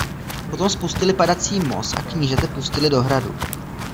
Potom spustili padací most a knížete pustili do hradu.